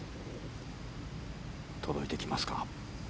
届いてきますか。